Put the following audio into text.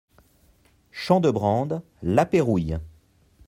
Champs de Brande, La Pérouille